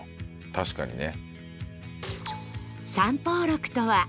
確かにね。